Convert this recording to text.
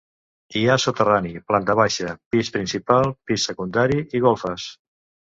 Hi ha soterrani, planta baixa, pis principal, pis secundari i golfes.